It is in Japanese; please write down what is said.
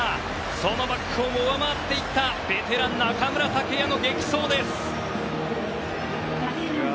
そのバックホームを上回っていったベテラン、中村剛也の激走です！